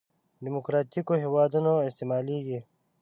دیموکراتیکو هېوادونو استعمالېږي.